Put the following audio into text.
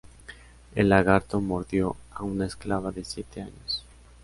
El lagarto mordió a una esclava de siete años.